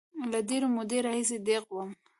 له ډېرې مودې راهیسې دیغ وم.